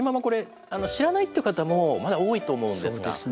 これ知らないという方もまだ多いと思うんですが。